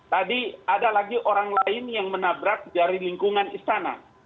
tadi ada lagi orang lain yang menabrak dari lingkungan istana